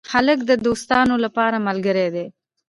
هلک د دوستانو لپاره ملګری دی.